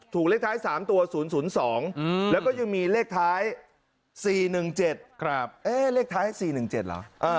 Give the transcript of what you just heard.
เลขท้าย๓ตัว๐๐๒แล้วก็ยังมีเลขท้าย๔๑๗เลขท้าย๔๑๗เหรอ